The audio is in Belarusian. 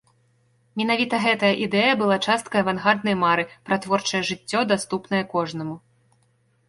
Менавіта гэтая ідэя была часткай авангарднай мары пра творчае жыццё, даступнае кожнаму.